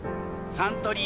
サントリー